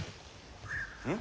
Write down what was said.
うん？